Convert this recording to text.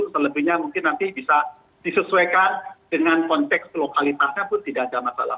selebihnya mungkin nanti bisa disesuaikan dengan konteks lokalitasnya pun tidak ada masalah